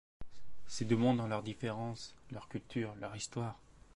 Ces deux Mondes ont leurs différences, leur culture, leur histoire.